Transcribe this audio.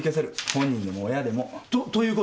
本人でも親でも。とということは？